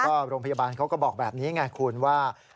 ก็โรงพยาบาลเขาก็บอกแบบนี้ไงคุณว่า